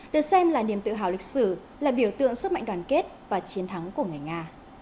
được xem là niềm tự hào lịch sử là biểu tượng sức mạnh đoàn kết và chiến thắng của người nga